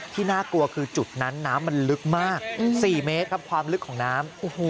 น่ากลัวคือจุดนั้นน้ำมันลึกมาก๔เมตรครับความลึกของน้ำ